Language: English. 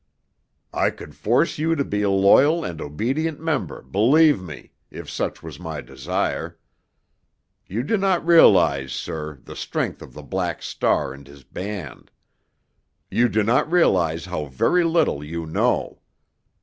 "I could force you to be a loyal and obedient member, believe me, if such was my desire. You do not realize, sir, the strength of the Black Star and his band. You do not realize how very little you know.